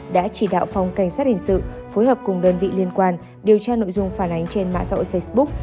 đã chỉ đạo phòng cảnh sát hình sự phối hợp cùng đơn vị liên quan điều tra nội dung phản ánh trên mạng xã hội facebook